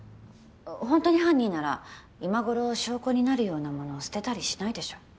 本当に犯人なら今頃証拠になるようなもの捨てたりしないでしょ。